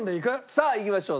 さあいきましょう！